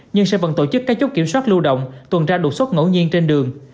nhưng sẽ vẫn tổ chức các chốt kiểm soát lưu động tuần tra đột xuất ngẫu nhiên trên đường